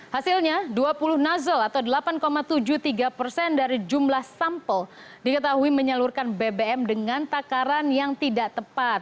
hasilnya dua puluh nozzle atau delapan tujuh puluh tiga persen dari jumlah sampel diketahui menyalurkan bbm dengan takaran yang tidak tepat